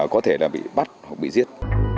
có thể là bị bắt hoặc bị giết